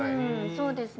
そうですね。